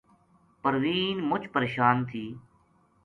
پروین مچ پریشان تھی